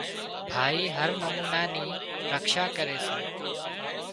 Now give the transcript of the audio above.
ڀائي هر نمونا نِي رکشا ڪري سي